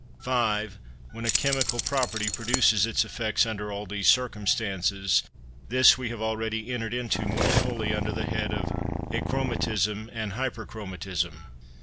5. When a chemical property produces its effects under all these circumstances: this we have already entered into more fully under the head of achromatism and hyperchromatism.